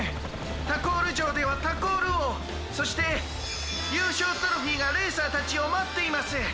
タコールじょうではタコールおうそしてゆうしょうトロフィーがレーサーたちをまっています。